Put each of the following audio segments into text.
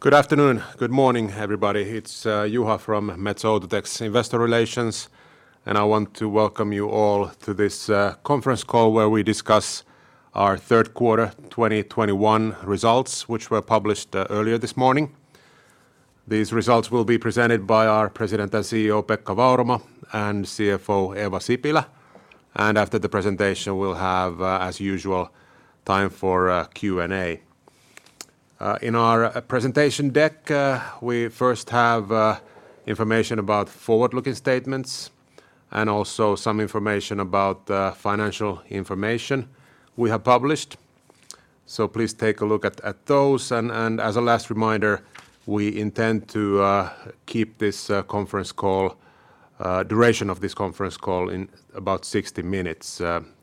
Good afternoon. Good morning, everybody. It's Juha from Metso Outotec's Investor Relations, and I want to welcome you all to this conference call where we discuss our third quarter 2021 results, which were published earlier this morning. These results will be presented by our President and CEO, Pekka Vauramo, and CFO, Eeva Sipilä. After the presentation, we'll have, as usual, time for Q&A. In our presentation deck, we first have information about forward-looking statements and also some information about financial information we have published. Please take a look at those. As a last reminder, we intend to keep this conference call duration of this conference call in about 60 minutes,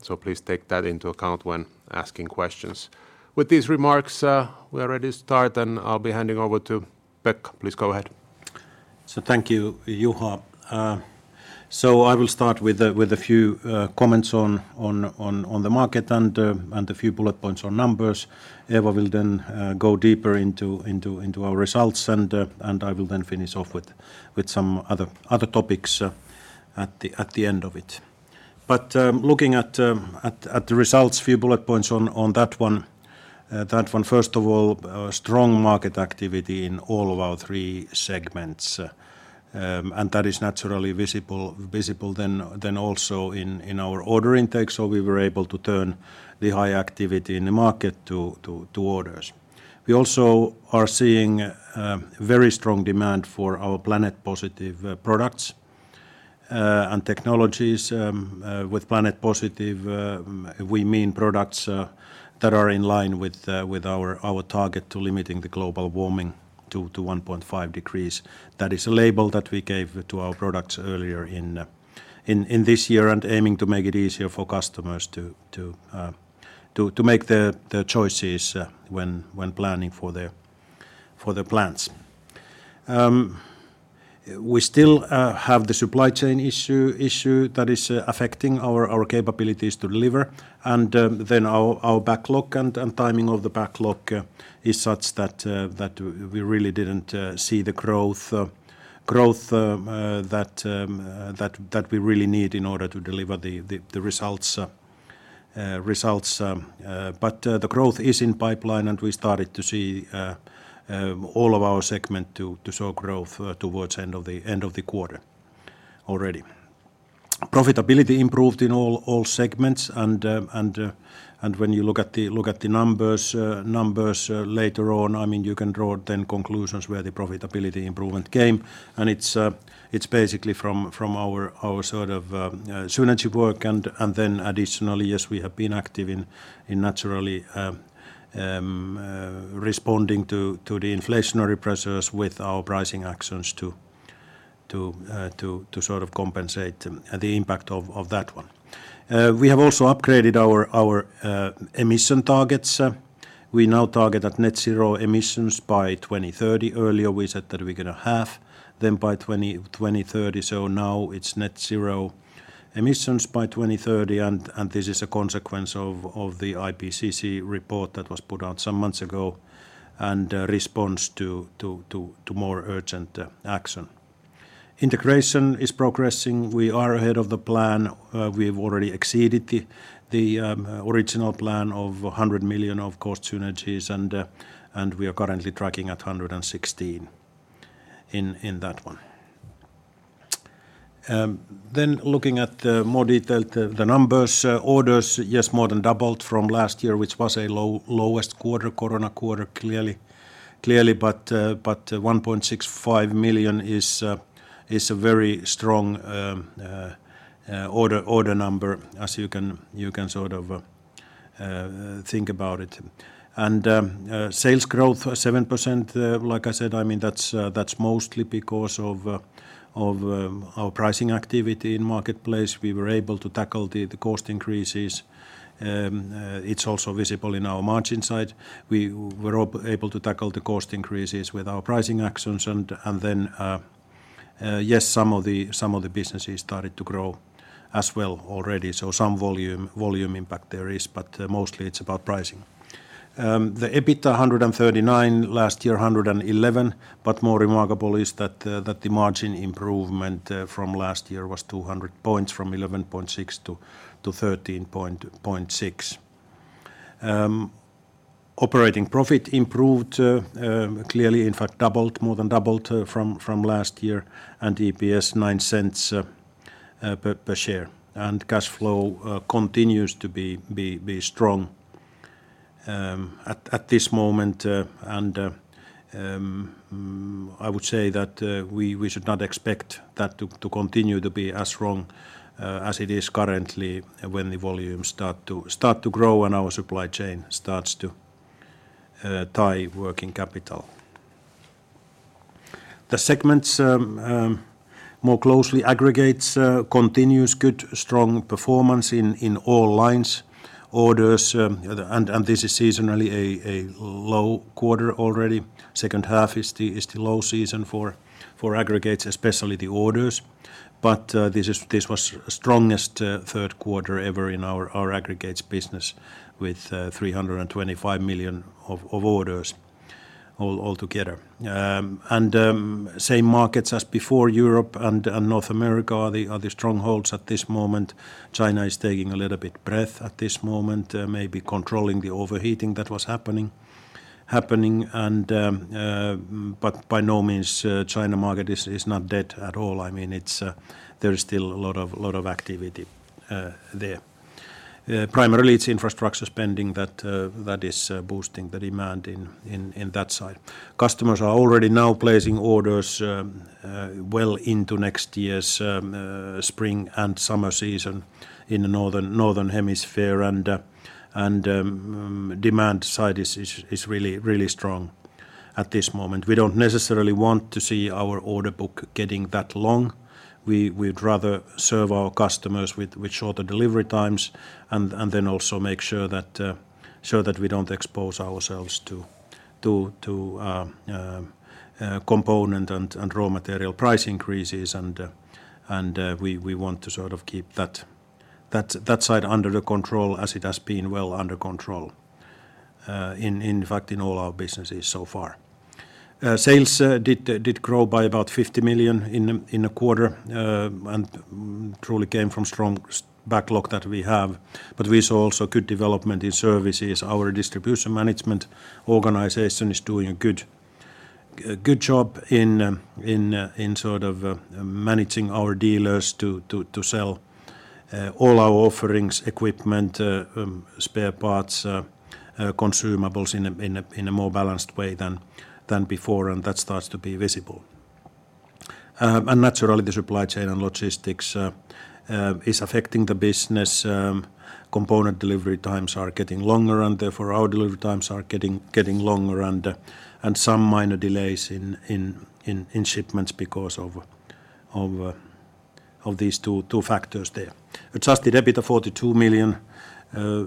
so please take that into account when asking questions. With these remarks, we are ready to start, and I'll be handing over to Pekka. Please go ahead. Thank you, Juha. I will start with a few comments on the market and a few bullet points on numbers. Eeva will then go deeper into our results, and I will then finish off with some other topics at the end of it. Looking at the results, a few bullet points on that one. First of all, strong market activity in all of our three segments. That is naturally visible then also in our order intake, so we were able to turn the high activity in the market to orders. We also are seeing very strong demand for our Planet Positive products and technologies. With Planet Positive, we mean products that are in line with our target to limiting the global warming to 1.5 degrees. That is a label that we gave to our products earlier in this year and aiming to make it easier for customers to make the choices when planning for their plans. We still have the supply chain issue that is affecting our capabilities to deliver. Our backlog and timing of the backlog is such that we really didn't see the growth that we really need in order to deliver the results. The growth is in pipeline, and we started to see all of our segments to show growth towards end of the quarter already. Profitability improved in all segments and when you look at the numbers later on, I mean, you can draw the conclusions where the profitability improvement came, and it's basically from our sort of synergy work and then additionally, yes, we have been active, naturally, responding to the inflationary pressures with our pricing actions to sort of compensate the impact of that one. We have also upgraded our emission targets. We now target at net zero emissions by 2030. Earlier, we said that we're gonna halve them by 2030, so now it's net zero emissions by 2030, and this is a consequence of the IPCC report that was put out some months ago and response to more urgent action. Integration is progressing. We are ahead of the plan. We've already exceeded the original plan of 100 million of cost synergies and we are currently tracking at 116 million in that one. Then looking at more detail the numbers, orders, yes, more than doubled from last year, which was a lowest quarter, COVID-19 quarter, clearly, but 1.65 million is a very strong order number as you can sort of think about it. Sales growth 7%, like I said, I mean, that's mostly because of our pricing activity in marketplace. We were able to tackle the cost increases. It's also visible in our margin side. We were able to tackle the cost increases with our pricing actions and then yes, some of the businesses started to grow as well already, so some volume impact there is, but mostly it's about pricing. The EBITDA EUR 139, last year EUR 111, but more remarkable is that the margin improvement from last year was 200 points from 11.6%-13.6%. Operating profit improved clearly, in fact, doubled, more than doubled from last year, and EPS EUR 0.09 per share. Cash flow continues to be strong at this moment, and I would say that we should not expect that to continue to be as strong as it is currently when the volumes start to grow and our supply chain starts to tie working capital. The segments more closely. Aggregates continues good, strong performance in all lines. This is seasonally a low quarter already. Second half is the low season for Aggregates, especially the orders. This was the strongest third control as it has been well under control, in fact, in all our businesses so far. Sales did grow by about 50 million in a quarter and truly came from strong sales backlog that we have. We saw also good development in services. Our distribution management organization is doing a good job in sort of managing our dealers to sell all our offerings, equipment, spare parts, consumables in a more balanced way than before, and that starts to be visible. Naturally, the supply chain and logistics is affecting the business. Component delivery times are getting longer, and therefore our delivery times are getting longer and some minor delays in shipments because of these two factors there. Adjusted EBITDA 42 million, 26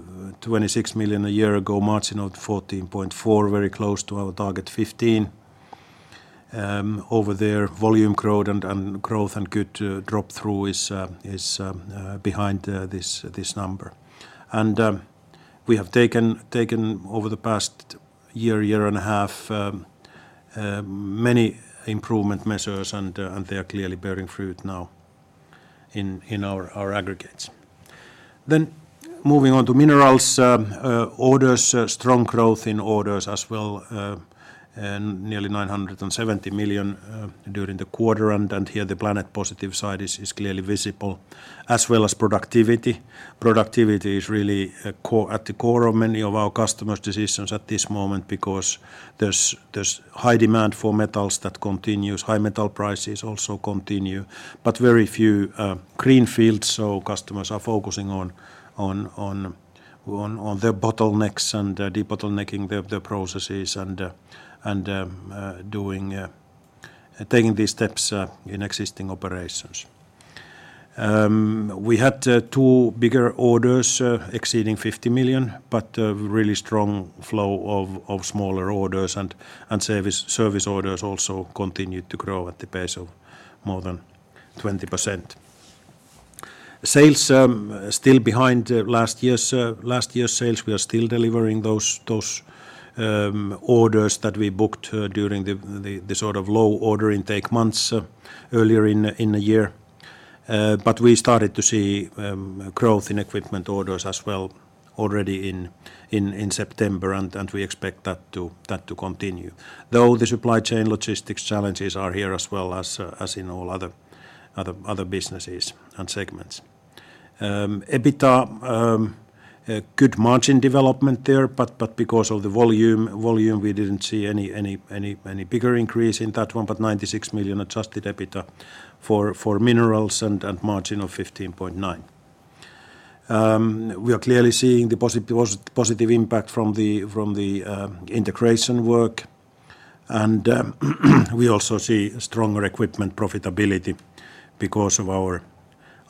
million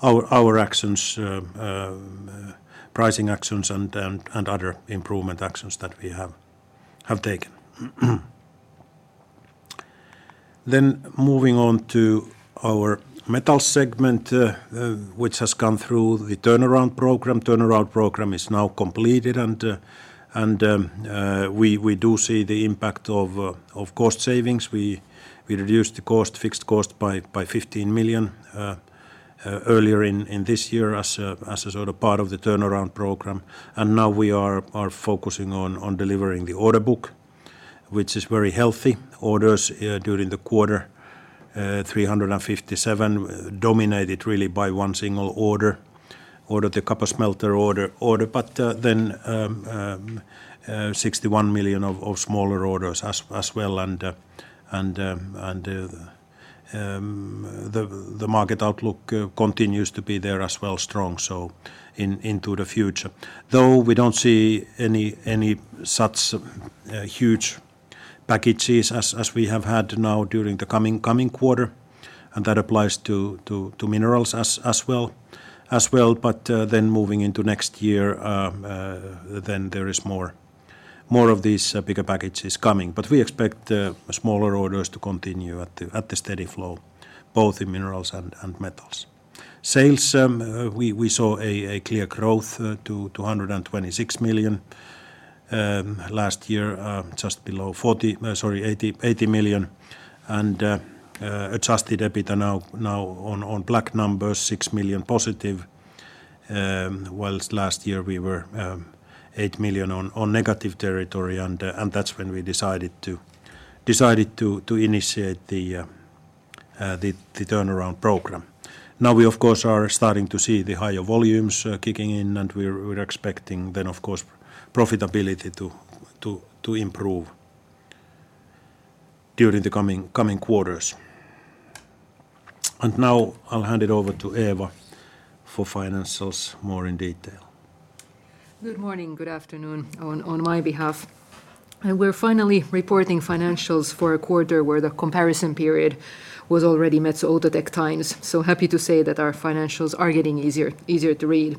our actions, pricing actions and other improvement actions that we have taken. Moving on to our Metals segment, which has come through the turnaround program. Turnaround Program is now completed and we do see the impact of cost savings. We reduced fixed cost by 15 million earlier in this year as a sort of part of the Turnaround Program. Now we are focusing on delivering the order book, which is very healthy. Orders during the quarter, 357 million, dominated really by one single order, the copper smelter order. 61 million of smaller orders as well and the market outlook continues to be strong as well, so into the future. Though we don't see any such huge packages as we have had now during the coming quarter, and that applies to minerals as well. Then moving into next year, there is more of these bigger packages coming. We expect the smaller orders to continue at the steady flow, both in minerals and metals. Sales, we saw a clear growth to 126 million last year, just below 80 million. Adjusted EBITDA now in the black at 6 million, while last year we were 8 million in negative territory, and that's when we decided to initiate the turnaround program. Now we of course are starting to see the higher volumes kicking in, and we're expecting then of course profitability to improve during the coming quarters. Now I'll hand it over to Eeva for financials more in detail. Good morning, good afternoon on my behalf. We're finally reporting financials for a quarter where the comparison period was already Metso Outotec times. Happy to say that our financials are getting easier to read.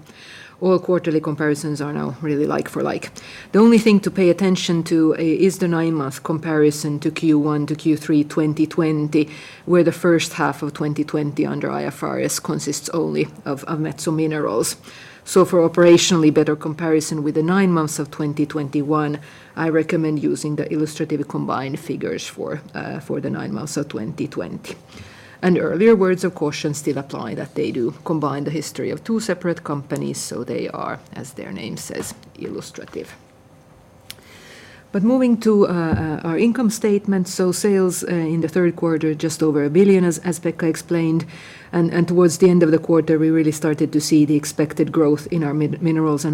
All quarterly comparisons are now really like for like. The only thing to pay attention to is the nine-month comparison to Q1 to Q3 2020, where the first half of 2020 under IFRS consists only of Metso Minerals. For operationally better comparison with the nine months of 2021, I recommend using the illustrative combined figures for the nine months of 2020. Earlier words of caution still apply that they do combine the history of two separate companies, so they are, as their name says, illustrative. Moving to our income statement, so sales in the third quarter just over 1 billion, as Pekka explained. Towards the end of the quarter, we really started to see the expected growth in our minerals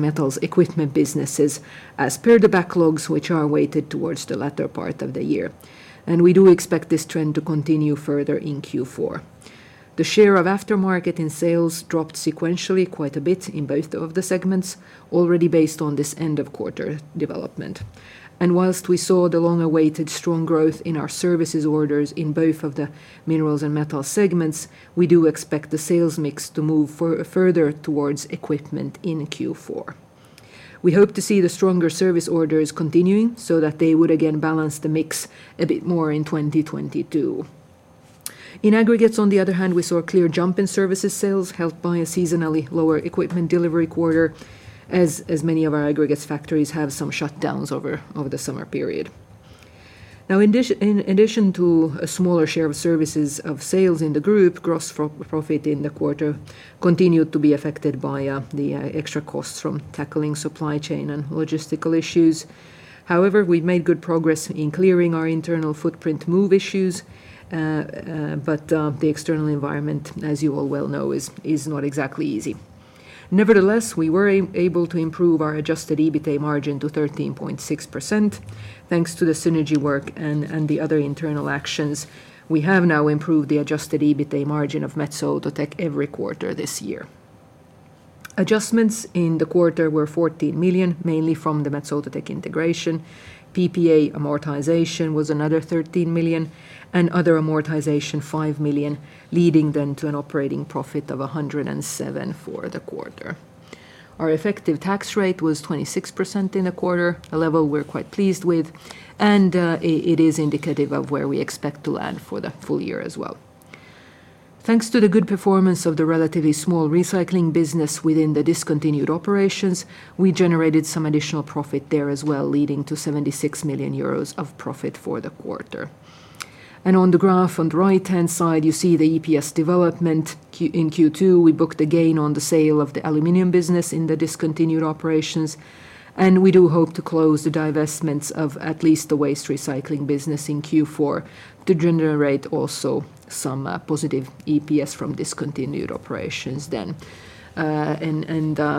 and metals equipment businesses, as per the backlogs which are weighted towards the latter part of the year. We do expect this trend to continue further in Q4. The share of aftermarket in sales dropped sequentially quite a bit in both of the segments, already based on this end of quarter development. While we saw the long-awaited strong growth in our services orders in both of the minerals and metals segments, we do expect the sales mix to move further towards equipment in Q4. We hope to see the stronger service orders continuing so that they would again balance the mix a bit more in 2022. In aggregates on the other hand, we saw a clear jump in services sales helped by a seasonally lower equipment delivery quarter as many of our aggregates factories have some shutdowns over the summer period. Now in addition to a smaller share of services of sales in the group, gross profit in the quarter continued to be affected by the extra costs from tackling supply chain and logistical issues. However, we've made good progress in clearing our internal footprint move issues, but the external environment, as you all well know, is not exactly easy. Nevertheless, we were able to improve our adjusted EBITDA margin to 13.6% thanks to the synergy work and the other internal actions. We have now improved the adjusted EBITDA margin of Metso Outotec every quarter this year. Adjustments in the quarter were 14 million, mainly from the Metso Outotec integration. PPA amortization was another 13 million,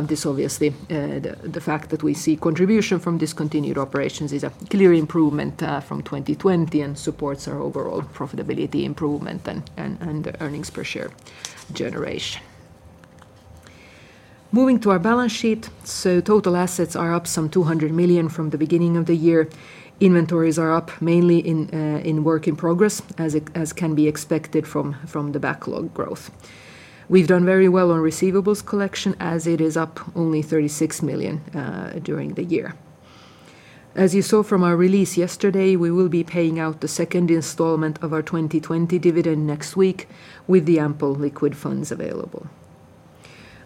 This obviously the fact that we see contribution from discontinued operations is a clear improvement from 2020 and supports our overall profitability improvement and earnings per share generation. Moving to our balance sheet, total assets are up some 200 million from the beginning of the year. Inventories are up mainly in work in progress, as can be expected from the backlog growth. We've done very well on receivables collection, as it is up only 36 million during the year. As you saw from our release yesterday, we will be paying out the second installment of our 2020 dividend next week with the ample liquid funds available.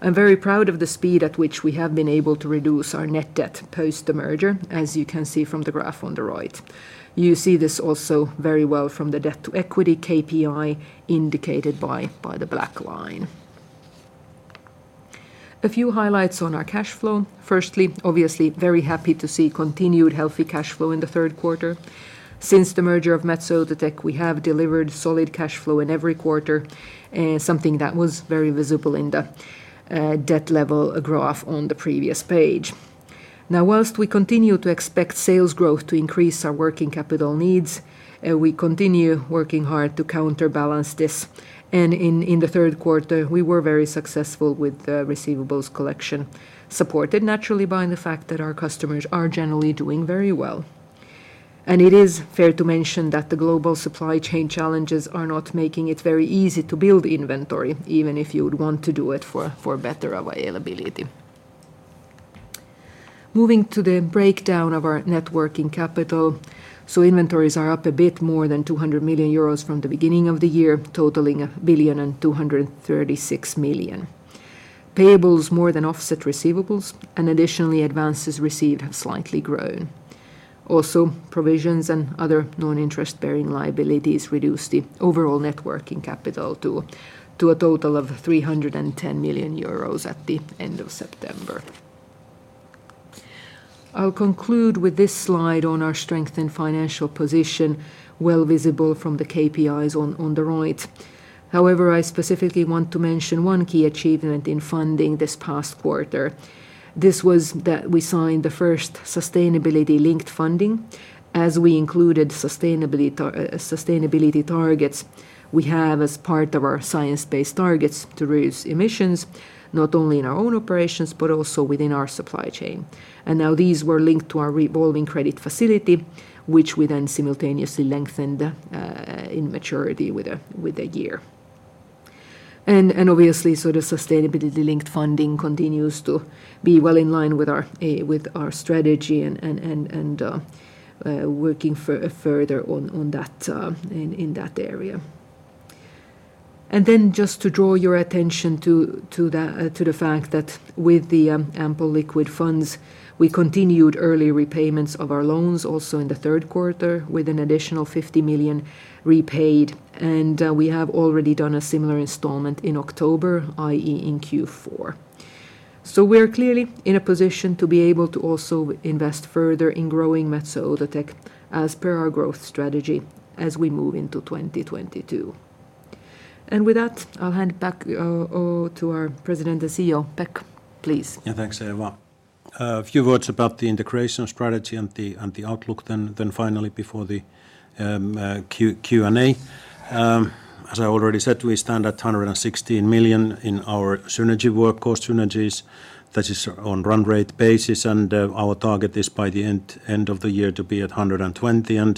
I'm very proud of the speed at which we have been able to reduce our net debt post the merger, as you can see from the graph on the right. You see this also very well from the debt to equity KPI indicated by the black line. A few highlights on our cash flow. Firstly, obviously very happy to see continued healthy cash flow in the third quarter. Since the merger of Metso Outotec, we have delivered solid cash flow in every quarter, something that was very visible in the debt level graph on the previous page. Now, while we continue to expect sales growth to increase our working capital needs, we continue working hard to counterbalance this. In the third quarter, we were very successful with the receivables collection, supported naturally by the fact that our customers are generally doing very well. It is fair to mention that the global supply chain challenges are not making it very easy to build inventory, even if you would want to do it for better availability. Moving to the breakdown of our net working capital. Inventories are up a bit more than 200 million euros from the beginning of the year, totaling 1,236 million. Payables more than offset receivables, and additionally, advances received have slightly grown. Provisions and other non-interest-bearing liabilities reduced the overall net working capital to a total of 310 million euros at the end of September. I'll conclude with this slide on our strengthened financial position, well visible from the KPIs on the right. However, I specifically want to mention one key achievement in funding this past quarter. This was that we signed the first sustainability-linked funding as we included sustainability targets we have as part of our Science-Based Targets to reduce emissions, not only in our own operations but also within our supply chain. Now these were linked to our revolving credit facility, which we then simultaneously lengthened in maturity with a year. Obviously, the sustainability-linked funding continues to be well in line with our strategy and working further on that in that area. Just to draw your attention to the fact that with the ample liquid funds, we continued early repayments of our loans also in the third quarter with an additional 50 million repaid, and we have already done a similar installment in October, i.e., in Q4. We're clearly in a position to be able to also invest further in growing Metso Outotec as per our growth strategy as we move into 2022. With that, I'll hand back to our President and CEO. Pekka, please. Yeah, thanks, Eeva. A few words about the integration strategy and the outlook then finally before the Q&A. As I already said, we stand at 116 million in our synergy work, cost synergies. That is on run-rate basis, and our target is by the end of the year to be at 120 million.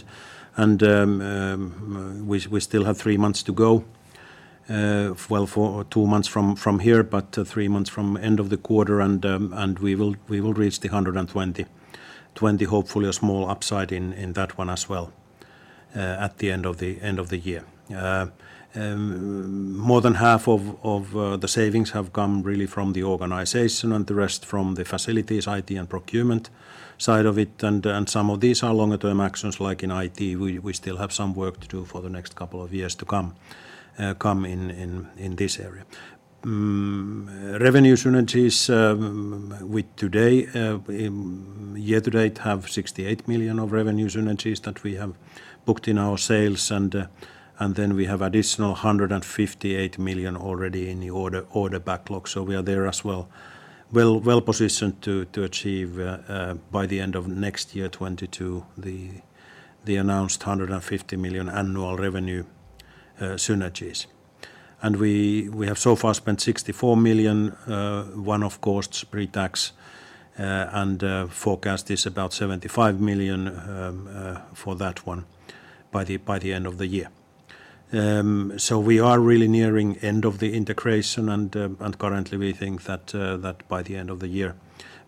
We still have three months to go, well, for two months from here, but three months from end of the quarter, and we will reach the 120 million, hopefully a small upside in that one as well, at the end of the year. More than half of the savings have come really from the organization and the rest from the facilities, IT, and procurement side of it. Some of these are longer-term actions, like in IT, we still have some work to do for the next couple of years to come in this area. Revenue synergies, we today year to date have 68 million of revenue synergies that we have booked in our sales and then we have additional 158 million already in the order backlog. We are there as well well-positioned to achieve by the end of next year, 2022, the announced 150 million annual revenue synergies. We have so far spent 64 million one-off costs pre-tax, and forecast is about 75 million for that one by the end of the year. We are really nearing end of the integration and currently we think that by the end of the year,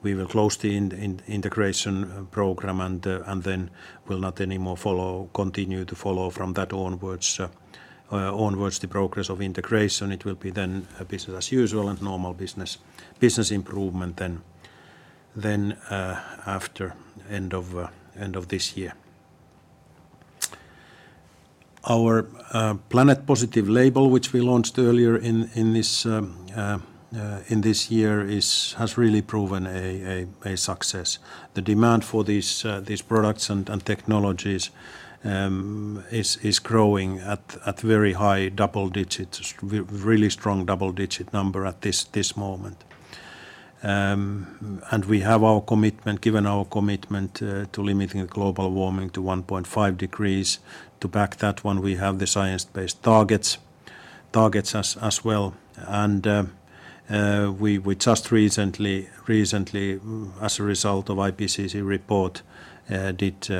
we will close the integration program and then will not anymore continue to follow from that onwards the progress of integration. It will be then business as usual and normal business improvement then after end of this year. Our Planet Positive label, which we launched earlier in this year, has really proven a success. The demand for these products and technologies is growing at very high double digits, really strong double-digit number at this moment. We have our commitment, given our commitment, to limiting global warming to 1.5 degrees. To back that one, we have the Science-Based Targets as well. We just recently, as a result of IPCC report, did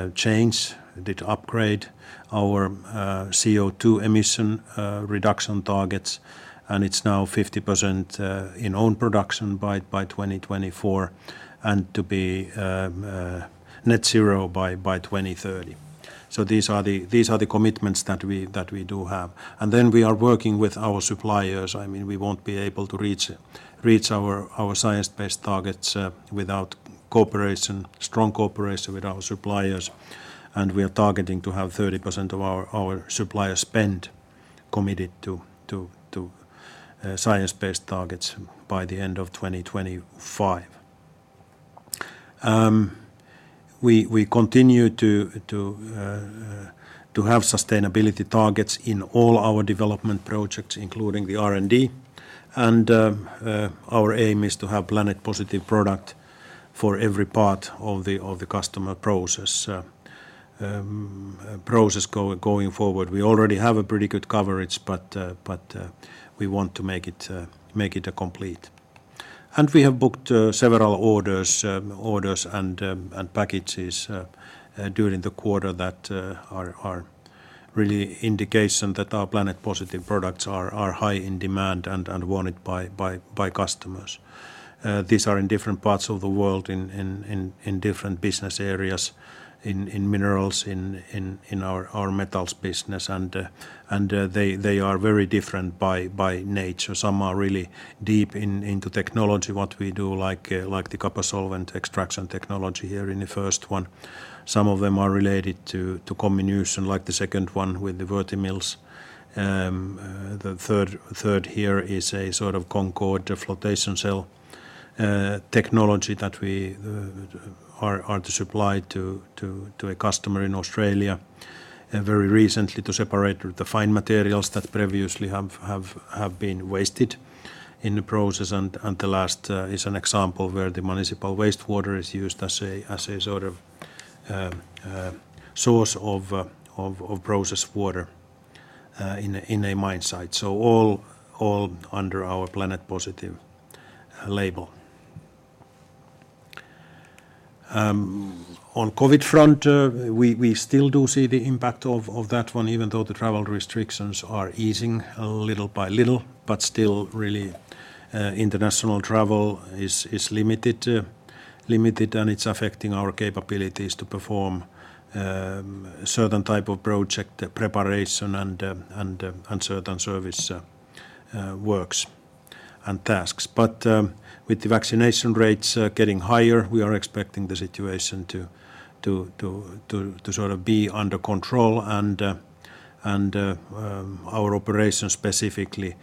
upgrade our CO2 emission reduction targets, and it's now 50% in own production by 2024 and to be net zero by 2030. These are the commitments that we do have. Then we are working with our suppliers. I mean, we won't be able to reach our Science-Based Targets without cooperation, strong cooperation with our suppliers. We are targeting to have 30% of our supplier spend committed to Science-Based Targets by the end of 2025. We continue to have sustainability targets in all our development projects, including the R&D. Our aim is to have Planet Positive product for every part of the customer process going forward. We already have a pretty good coverage, but we want to make it complete. We have booked several orders and packages during the quarter that are a real indication that our Planet Positive products are high in demand and wanted by customers. These are in different parts of the world, in different business areas, in Minerals, in our Metals business. They are very different by nature. Some are really deep into technology, what we do like the copper solvent extraction technology here in the first one. Some of them are related to comminution like the second one with the Vertimills. The third here is a sort of Concorde Cell technology that we are to supply to a customer in Australia very recently to separate the fine materials that previously have been wasted in the process. The last is an example where the municipal wastewater is used as a sort of source of process water in a mine site. All under our Planet Positive label. On COVID front, we still do see the impact of that one even though the travel restrictions are easing little by little. Still really, international travel is limited,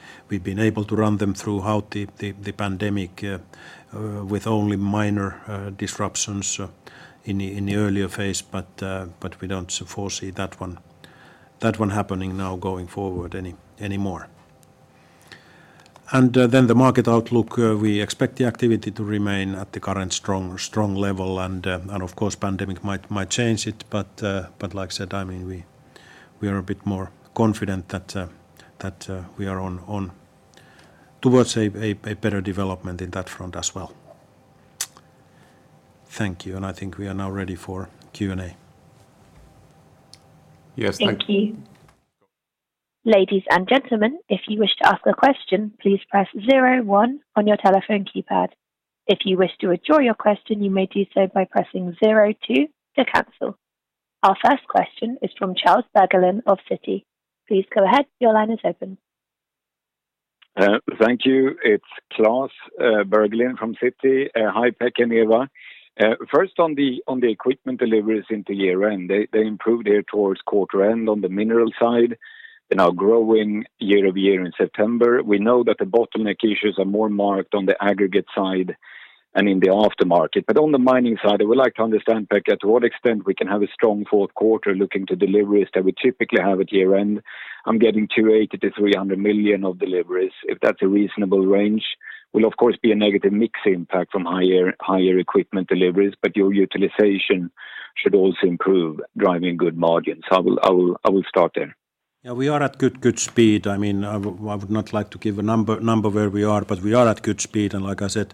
and it's affecting our capabilities to perform certain type of project, the preparation and certain service works and tasks. With the vaccination rates getting higher, we are expecting the situation to sort of be under control and our operations specifically. We've been able to run them throughout the pandemic with only minor disruptions in the earlier phase. We don't foresee that one happening now going forward anymore. Then the market outlook, we expect the activity to remain at the current strong level and, of course pandemic might change it, but like I said, I mean, we are a bit more confident that we are on towards a better development in that front as well. Thank you. I think we are now ready for Q&A. Yes. Thank you. Ladies and gentlemen, if you wish to ask a question, please press zero one on your telephone keypad. If you wish to withdraw your question, you may do so by pressing zero two to cancel. Our first question is from Klas Bergelind of Citi. Please go ahead. Your line is open. Thank you. It's Klas Bergelind from Citi. Hi, Pekka and Eeva. First on the equipment deliveries into year-end, they improved here towards quarter end on the Mineral side. They're now growing year-over-year in September. We know that the bottleneck issues are more marked on the Aggregate side and in the aftermarket. But on the mining side, I would like to understand, Pekka, to what extent we can have a strong fourth quarter looking to deliveries that we typically have at year-end. I'm getting 280 million to 300 million of deliveries, if that's a reasonable range. There will of course be a negative mix impact from higher equipment deliveries, but your utilization should also improve driving good margins. I will start there. Yeah. We are at good speed. I mean, I would not like to give a number where we are, but we are at good speed. Like I said,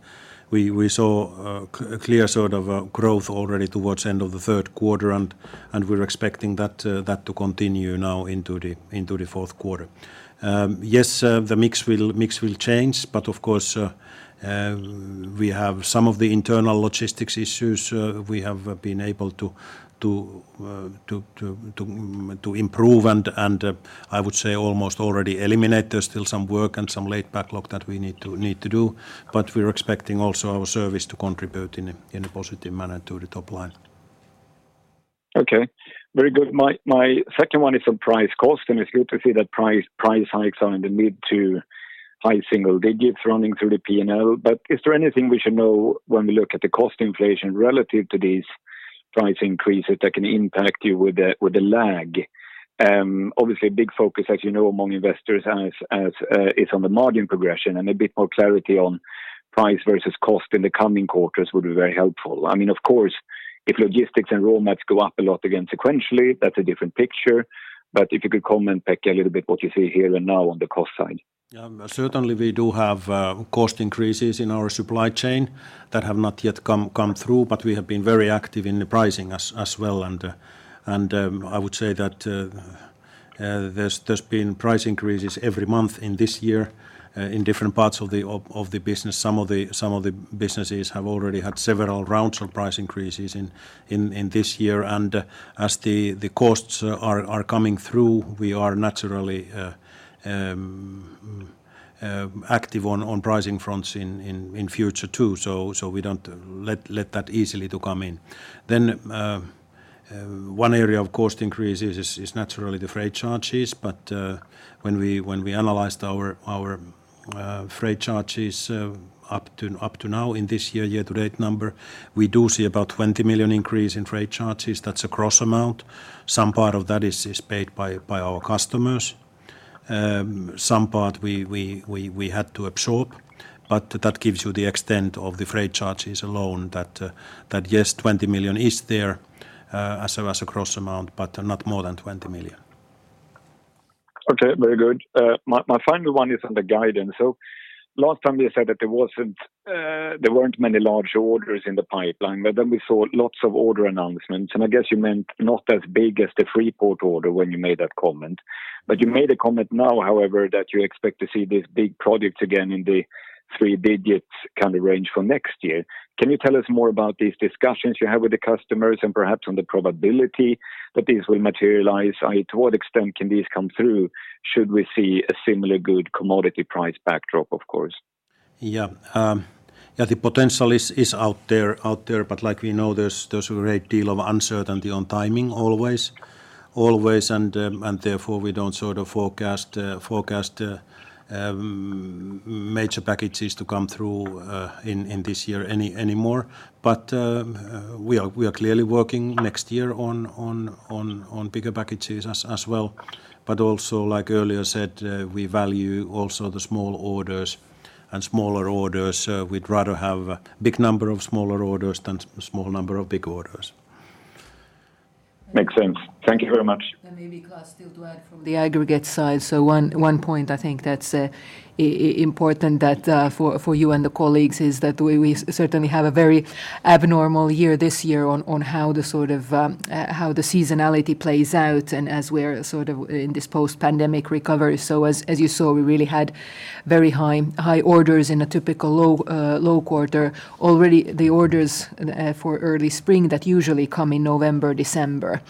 we saw a clear sort of growth already towards end of the third quarter, and we're expecting that to continue now into the fourth quarter. The mix will change, but of course, we have some of the internal logistics issues we have been able to improve and I would say almost already eliminate. There's still some work and some late backlog that we need to do. We're expecting also our service to contribute in a positive manner to the top line. Okay. Very good. My second one is on price cost, and it's good to see that price hikes are in the mid- to high-single digits% running through the P&L. Is there anything we should know when we look at the cost inflation relative to these price increases that can impact you with a lag? Obviously a big focus, as you know, among investors is on the margin progression and a bit more clarity on price versus cost in the coming quarters would be very helpful. I mean, of course, if logistics and raw mats go up a lot again sequentially, that's a different picture. If you could comment, Pekka, a little bit what you see here and now on the cost side. Yeah. Certainly we do have cost increases in our supply chain that have not yet come through. We have been very active in the pricing as well. I would say that there's been price increases every month in this year in different parts of the business. Some of the businesses have already had several rounds of price increases in this year. As the costs are coming through, we are naturally active on pricing fronts in future too. We don't let that easily to come in. One area of cost increases is naturally the freight charges. When we analyzed our freight charges up to now in this year-to-date number, we do see about EUR 20 million increase in freight charges. That's a cross amount. Some part of that is paid by our customers. Some part we had to absorb. That gives you the extent of the freight charges alone that yes, EUR 20 million is there as a cross amount, but not more than EUR 20 million. Okay, very good. My final one is on the guidance. Last time you said that there weren't many large orders in the pipeline, but then we saw lots of order announcements. I guess you meant not as big as the Freeport-McMoRan order when you made that comment. You made a comment now, however, that you expect to see these big projects again in the three digits kind of range for next year. Can you tell us more about these discussions you have with the customers and perhaps on the probability that these will materialize? I.e., to what extent can these come through should we see a similar good commodity price backdrop, of course? Yeah. Yeah, the potential is out there. Like we know, there's a great deal of uncertainty on timing always. Therefore, we don't sort of forecast major packages to come through in this year anymore. We are clearly working next year on bigger packages as well. Also, like earlier said, we value also the small orders and smaller orders. We'd rather have a big number of smaller orders than small number of big orders. Makes sense. Thank you very much. Maybe, Klas, still to add from the aggregate side. One point I think that's important that for you and the colleagues is that we certainly have a very abnormal year this year on how the seasonality plays out and as we're sort of in this post-pandemic recovery. As you saw, we really had very high orders in a typical low quarter. Already the orders for early spring that usually come in November, December.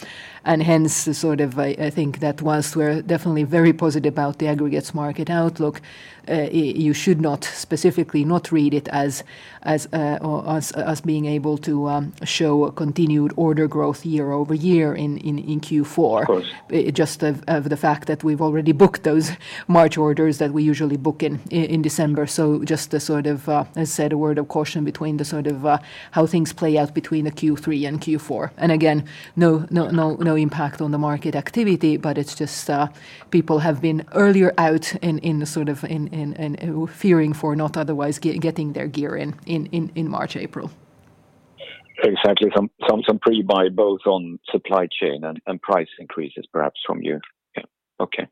Hence I think that whilst we're definitely very positive about the aggregates market outlook, you should not specifically not read it as or as being able to show a continued order growth year over year in Q4. Of course. Just the fact that we've already booked those March orders that we usually book in in December. just a sort of, as said, a word of caution between the sort of, how things play out between the Q3 and Q4. again, no impact on the market activity, but it's just, people have been earlier out in the sort of in fearing for not otherwise getting their gear in March, April. Exactly. Some pre-buy both on supply chain and price increases perhaps from you. Yeah. Okay.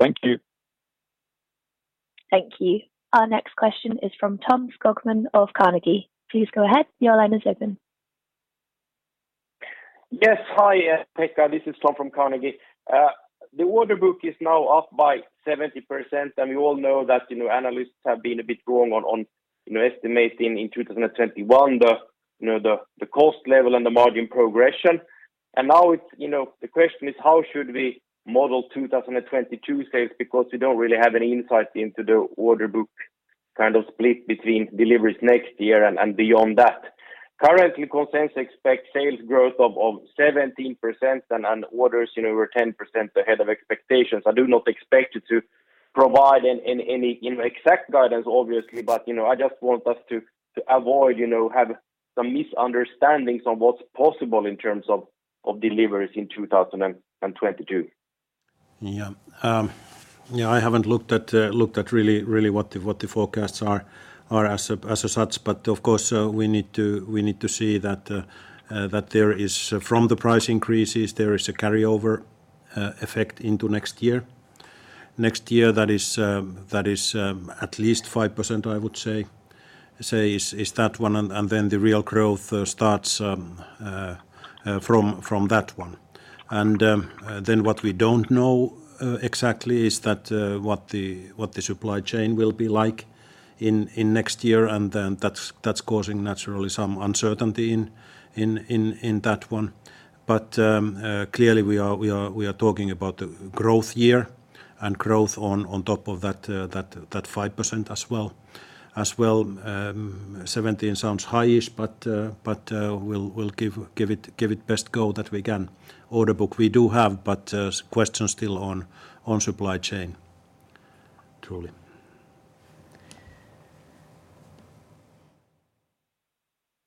Thank you. Thank you. Our next question is from Tom Skogman of Carnegie. Please go ahead, your line is open. Yes. Hi, Pekka. This is Tom from Carnegie. The order book is now up by 70%, and we all know that, you know, analysts have been a bit wrong on, you know, estimating in 2021 the, you know, the cost level and the margin progression. Now it's, you know, the question is how should we model 2022 sales? Because we don't really have any insight into the order book kind of split between deliveries next year and beyond that. Currently, consensus expects sales growth of 17% and orders, you know, were 10% ahead of expectations. I do not expect you to provide any, you know, exact guidance obviously, but, you know, I just want us to avoid, you know, have some misunderstandings on what's possible in terms of deliveries in 2022. Yeah. I haven't looked at really what the forecasts are as such. Of course, we need to see that there is from the price increases a carryover effect into next year. Next year, that is at least 5% I would say is that one and then the real growth starts from that one. Then what we don't know exactly is what the supply chain will be like in next year, and then that's causing naturally some uncertainty in that one. Clearly we are talking about a growth year and growth on top of that 5% as well. 17 sounds high,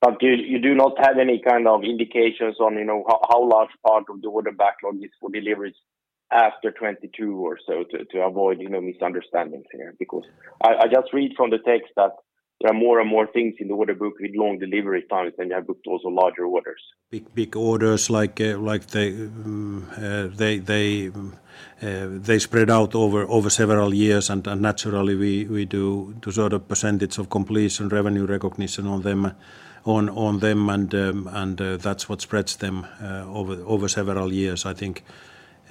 but we'll give it best go that we can. Order book we do have, but a question still on supply chain truly. You do not have any kind of indications on, you know, how large part of the order backlog is for deliveries after 2022 or so to avoid, you know, misunderstandings here. Because I just read from the text that there are more and more things in the order book with long delivery times, and you have booked also larger orders. Big orders like they spread out over several years. Naturally we do the sort of percentage of completion revenue recognition on them. That's what spreads them over several years. I think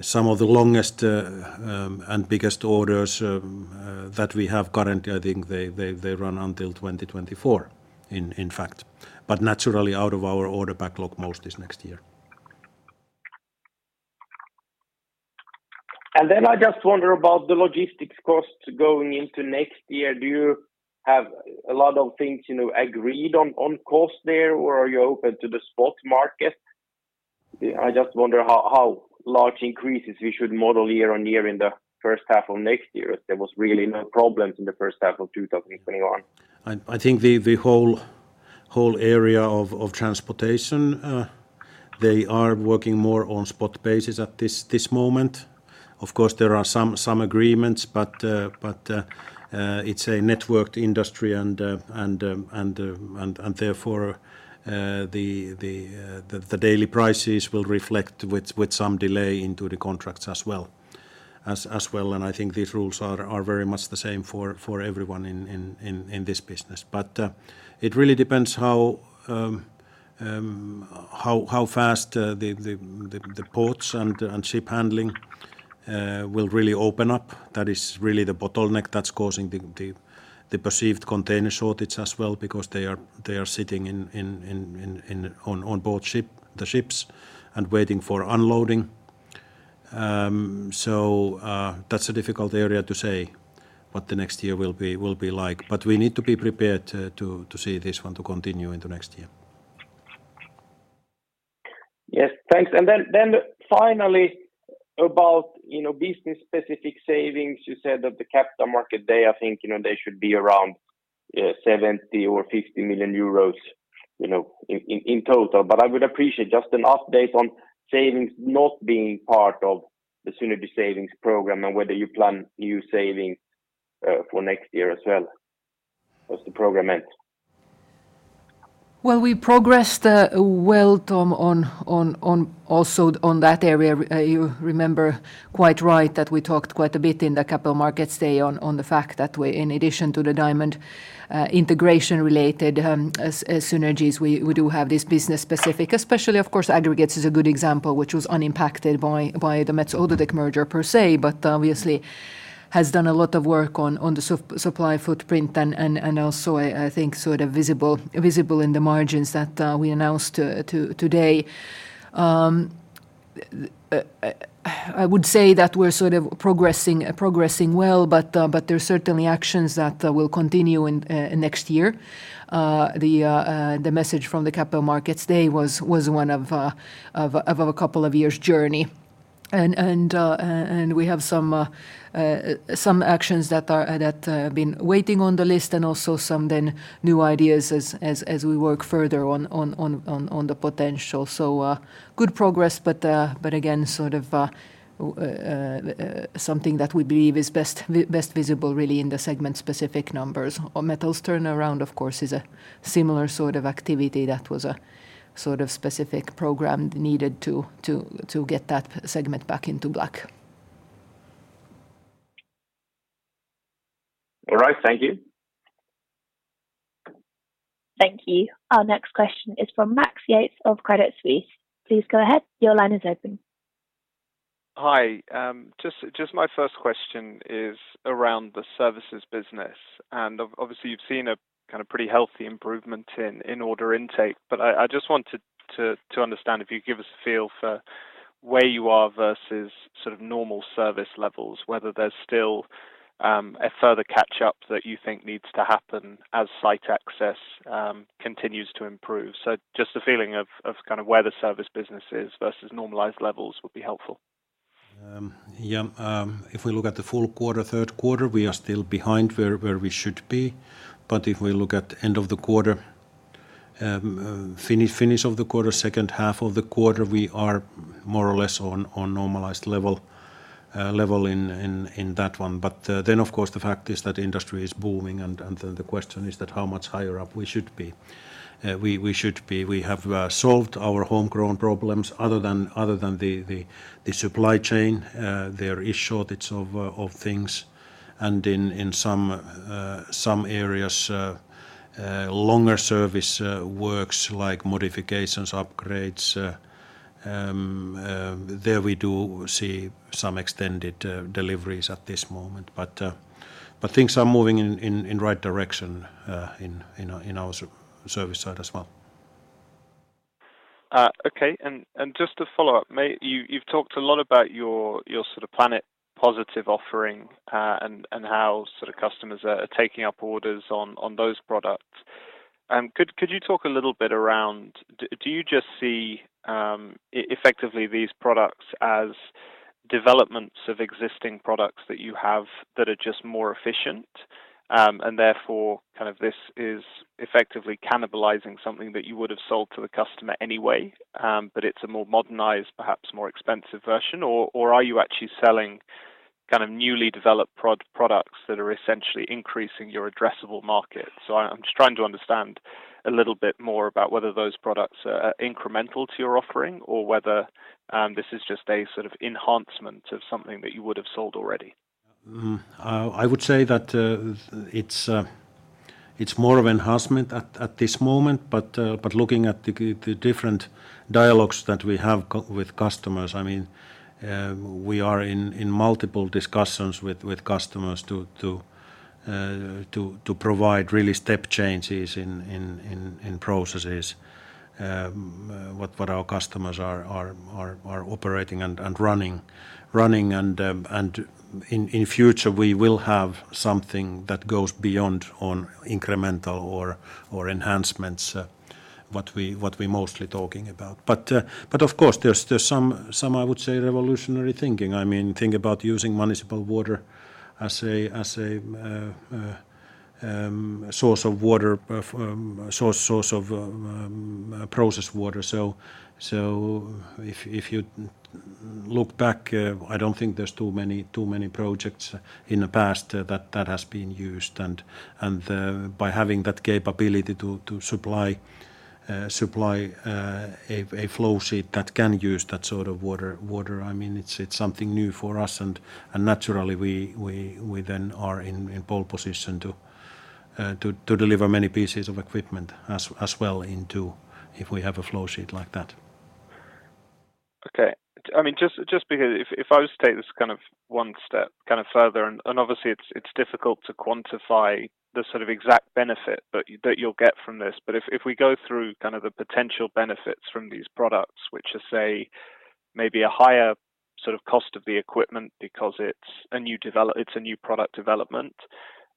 some of the longest and biggest orders that we have currently, I think they run until 2024 in fact. Naturally out of our order backlog most is next year. Then I just wonder about the logistics costs going into next year. Do you have a lot of things, you know, agreed on cost there, or are you open to the spot market? I just wonder how large increases we should model year on year in the first half of next year if there was really no problems in the first half of 2021. I think the whole area of transportation they are working more on spot basis at this moment. Of course, there are some agreements, but it's a networked industry and therefore the daily prices will reflect with some delay into the contracts as well. I think these rules are very much the same for everyone in this business. It really depends how fast the ports and ship handling will really open up. That is really the bottleneck that's causing the perceived container shortage as well because they are sitting on board the ships and waiting for unloading. That's a difficult area to say what the next year will be like. We need to be prepared to see this one continue into next year. Yes. Thanks. Finally about, you know, business specific savings. You said that the Capital Markets Day, I think, you know, they should be around 70 million or 50 million euros, you know, in total. I would appreciate just an update on savings not being part of the synergy savings program, and whether you plan new savings for next year as well as the program ends. Well, we progressed well, Tom, on also on that area. You remember quite right that we talked quite a bit in the Capital Markets Day on the fact that we in addition to the diamond integration related synergies, we do have this business specific. Especially, of course, Aggregates is a good example, which was unimpacted by the Metso Outotec merger per se, but obviously has done a lot of work on the supply footprint and also I think sort of visible in the margins that we announced today. I would say that we're sort of progressing well, but there's certainly actions that will continue in next year. The message from the Capital Markets Day was one of a couple of years journey. We have some actions that have been waiting on the list and also some then new ideas as we work further on the potential. Good progress, but again, sort of something that we believe is best visible really in the segment-specific numbers. Metals turnaround, of course, is a similar sort of activity that was a sort of specific program needed to get that segment back into black. All right. Thank you. Thank you. Our next question is from Max Yates of Credit Suisse. Please go ahead. Your line is open. Hi. Just my first question is around the services business. Obviously, you've seen a kind of pretty healthy improvement in order intake. I just wanted to understand if you could give us a feel for where you are versus sort of normal service levels, whether there's still a further catch-up that you think needs to happen as site access continues to improve. Just a feeling of kind of where the service business is versus normalized levels would be helpful. Yeah. If we look at the full quarter, third quarter, we are still behind where we should be. If we look at end of the quarter, finish of the quarter, second half of the quarter, we are more or less on normalized level in that one. Of course, the fact is that industry is booming, and the question is that how much higher up we should be, we should be. We have solved our homegrown problems other than the supply chain. There is shortage of things. In some areas, longer service works like modifications, upgrades, there we do see some extended deliveries at this moment. Things are moving in right direction in our service side as well. Okay. Just to follow up, you've talked a lot about your sort of Planet Positive offering, and how sort of customers are taking up orders on those products. Could you talk a little bit about do you just see effectively these products as developments of existing products that you have that are just more efficient, and therefore kind of this is effectively cannibalizing something that you would have sold to the customer anyway, but it's a more modernized, perhaps more expensive version? Or are you actually selling kind of newly developed products that are essentially increasing your addressable market? I'm just trying to understand a little bit more about whether those products are incremental to your offering or whether this is just a sort of enhancement of something that you would have sold already. I would say that it's more of enhancement at this moment. Looking at the different dialogues that we have with customers, I mean, we are in multiple discussions with customers to provide really step changes in processes what our customers are operating and running. In future, we will have something that goes beyond incremental or enhancements what we mostly talking about. Of course, there's some, I would say, revolutionary thinking. I mean, think about using municipal water as a source of processed water. If you look back, I don't think there's too many projects in the past that has been used. By having that capability to supply a flow sheet that can use that sort of water, I mean, it's something new for us. Naturally we then are in pole position to deliver many pieces of equipment as well into if we have a flow sheet like that. Okay. I mean, just because if I was to take this kind of one step kind of further, and obviously it's difficult to quantify the sort of exact benefit that you'll get from this. If we go through kind of the potential benefits from these products, which are, say, maybe a higher sort of cost of the equipment because it's a new product development,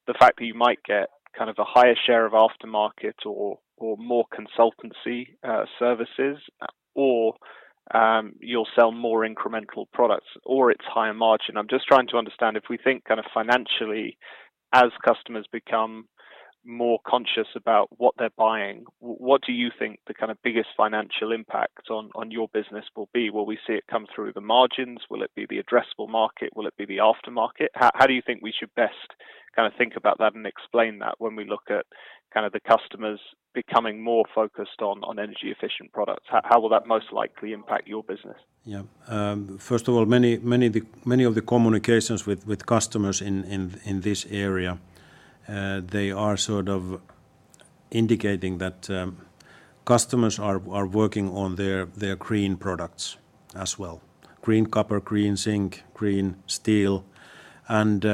the fact that you might get kind of a higher share of aftermarket or more consultancy services or you'll sell more incremental products or it's higher margin. I'm just trying to understand if we think kind of financially as customers become more conscious about what they're buying, what do you think the kind of biggest financial impact on your business will be? Will we see it come through the margins? Will it be the addressable market? Will it be the aftermarket? How do you think we should best kind of think about that and explain that when we look at kind of the customers becoming more focused on energy efficient products? How will that most likely impact your business? Yeah. First of all, many of the communications with customers in this area, they are sort of indicating that customers are working on their green products as well. Green copper, green zinc, green steel, and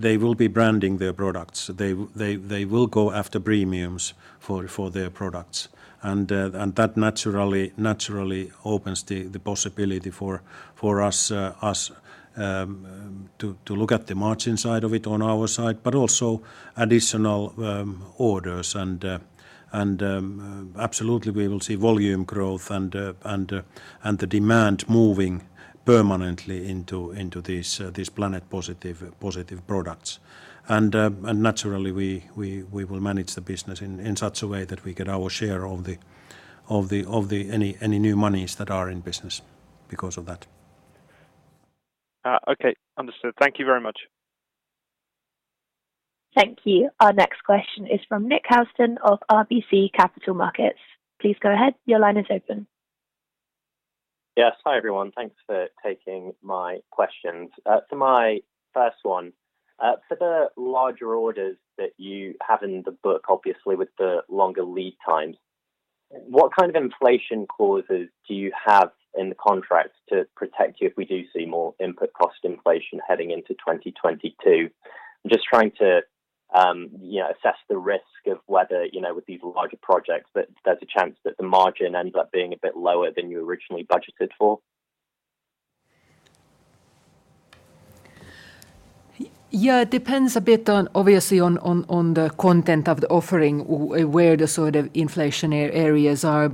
they will be branding their products. They will go after premiums for their products. That naturally opens the possibility for us to look at the margin side of it on our side, but also additional orders and absolutely we will see volume growth and the demand moving permanently into these Planet Positive products. Naturally, we will manage the business in such a way that we get our share of any new monies that are in business because of that. Okay. Understood. Thank you very much. Thank you. Our next question is from Nick Housden of RBC Capital Markets. Please go ahead. Your line is open. Yes. Hi everyone. Thanks for taking my questions. For my first one, for the larger orders that you have in the book, obviously with the longer lead times, what kind of inflation clauses do you have in the contracts to protect you if we do see more input cost inflation heading into 2022? I'm just trying to, you know, assess the risk of whether, you know, with these larger projects that there's a chance that the margin ends up being a bit lower than you originally budgeted for. Yeah, it depends a bit on, obviously on the content of the offering, where the sort of inflation areas are.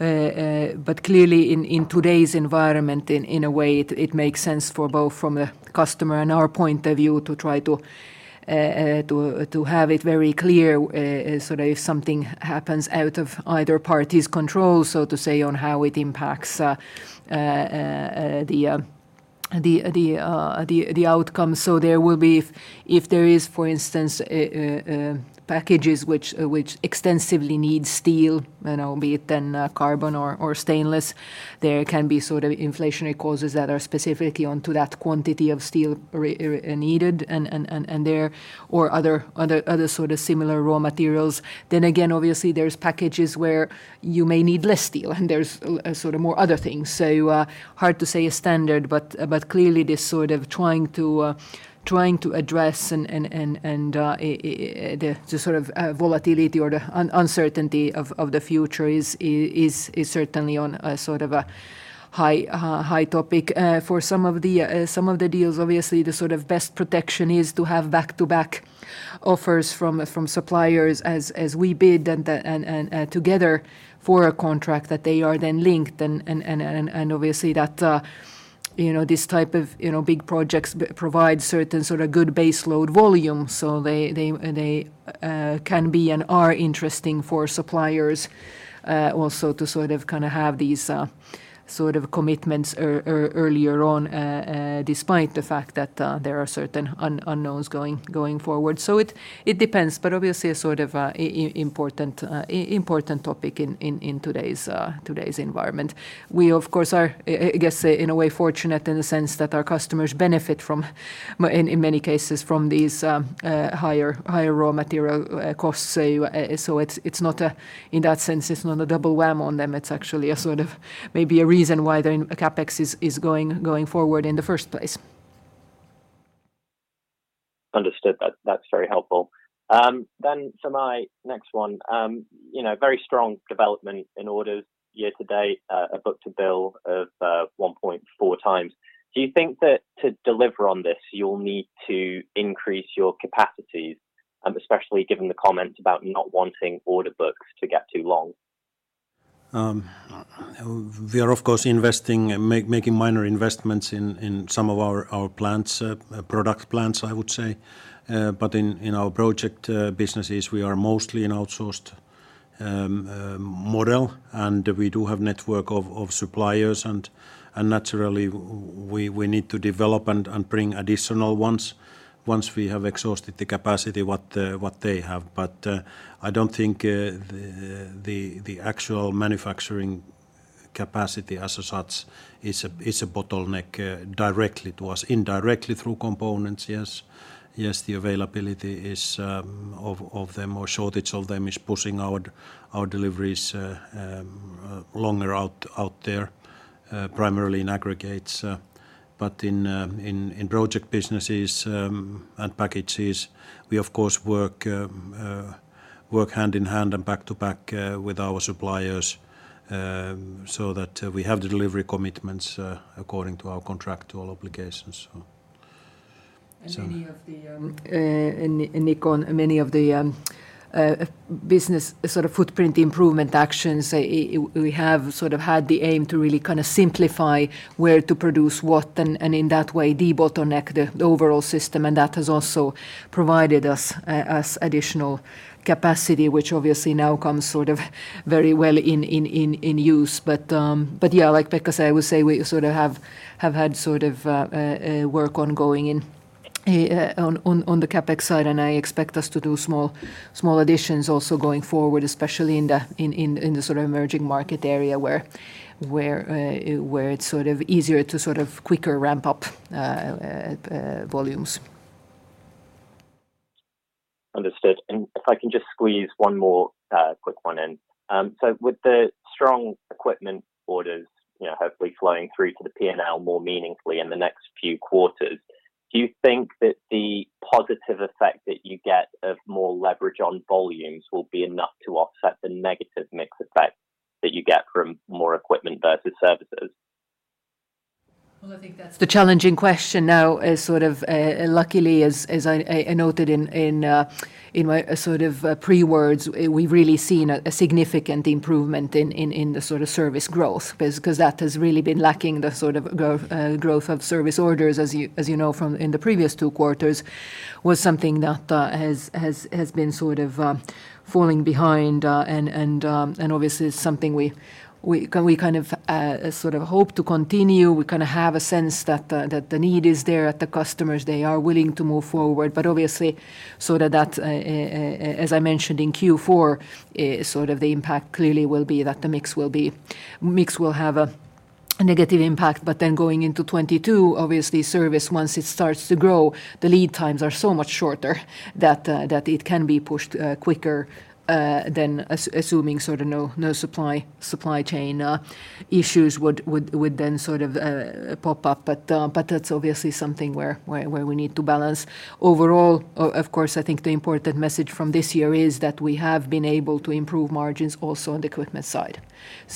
Clearly in today's environment, in a way it makes sense for both from a customer and our point of view to try to have it very clear, sort of if something happens out of either party's control, so to say on how it impacts the outcome. There will be, if there is, for instance, packages which extensively need steel, you know, be it then carbon or stainless. There can be sort of inflationary causes that are specifically on to that quantity of steel needed and there are other sort of similar raw materials. Again, obviously there are packages where you may need less steel and there are sort of more other things. Hard to say a standard, but clearly this sort of trying to address and the sort of volatility or the uncertainty of the future is certainly on a sort of a hot topic. For some of the deals, obviously the sort of best protection is to have back-to-back offers from suppliers as we bid and together for a contract that they are then linked and obviously that you know, this type of you know, big projects provide certain sort of good base load volume. They can be and are interesting for suppliers also to sort of kinda have these sort of commitments earlier on, despite the fact that there are certain unknowns going forward. It depends, but obviously a sort of important topic in today's environment. We of course are, I guess in a way fortunate in the sense that our customers benefit from, in many cases, from these higher raw material costs. You, so it's not a, in that sense, it's not a double whammy on them. It's actually a sort of maybe a reason why their CapEx is going forward in the first place. Understood. That’s very helpful. My next one, you know, very strong development in orders year-to-date, a book-to-bill of 1.4x. Do you think that to deliver on this, you’ll need to increase your capacities, especially given the comments about not wanting order books to get too long? We are of course investing and making minor investments in some of our plants, product plants, I would say. In our project businesses, we are mostly an outsourced model, and we do have network of suppliers and naturally we need to develop and bring additional ones once we have exhausted the capacity what they have. I don't think the actual manufacturing capacity as such is a bottleneck directly to us. Indirectly through components, yes. Yes, the availability is of them or shortage of them is pushing our deliveries longer out there, primarily in aggregates. In project businesses and packages, we of course work hand in hand and back to back with our suppliers so that we have the delivery commitments according to our contractual obligations, so. Many of the business sort of footprint improvement actions, Nick, we have sort of had the aim to really kind of simplify where to produce what and in that way debottleneck the overall system. That has also provided us additional capacity, which obviously now comes sort of very well in use. Yeah, like Pekka said, I would say we sort of have had sort of work ongoing on the CapEx side, and I expect us to do small additions also going forward, especially in the sort of emerging market area where it's sort of easier to sort of quicker ramp up volumes. Understood. If I can just squeeze one more quick one in. With the strong equipment orders, you know, hopefully flowing through to the P&L more meaningfully in the next few quarters, do you think that the positive effect that you get of more leverage on volumes will be enough to offset the negative mix effect that you get from more equipment versus services? Well, I think that's the challenging question now is sort of, luckily as I noted in my sort of pre-words, we've really seen a significant improvement in the sort of service growth. Because that has really been lacking the sort of growth of service orders, as you know from the previous two quarters, was something that has been sort of falling behind, and obviously is something we kind of sort of hope to continue. We kind of have a sense that the need is there at the customers. They are willing to move forward. Obviously, sort of that, as I mentioned in Q4, it sort of the impact clearly will be that the mix will be... Mix will have a negative impact. Going into 2022, obviously service, once it starts to grow, the lead times are so much shorter that it can be pushed quicker than assuming sort of no supply chain issues would then sort of pop up. That's obviously something where we need to balance. Overall, of course, I think the important message from this year is that we have been able to improve margins also on the equipment side.